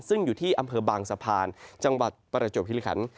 ซึ่งอยู่ที่อำเภอบางสะพานจังหวัดประจวบคิริคัน